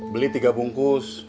beli tiga bungkus